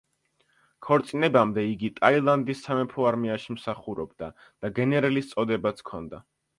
ქორწინებამდე იგი ტაილანდის სამეფო არმიაში მსახურობდა და გენერლის წოდებაც ჰქონდა.